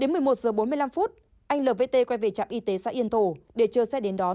đến một mươi một giờ bốn mươi năm phút anh lvt quay về trạm y tế xã yên tổ để chờ xe đến đón